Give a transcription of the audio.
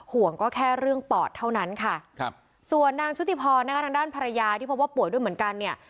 ห่วงก็แค่เรื่องปอดเท่านั้นค่ะครับส่วนนางชุติพรนะคะทางด้านภรรยาที่พบว่าป่วยด้วยเหมือนกันเนี่ย